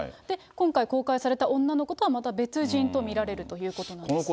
今回、公開された女の子とはまた別人と見られるということなんです。